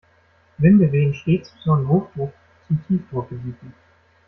Winde wehen stets von Hochdruck- zu Tiefdruckgebieten.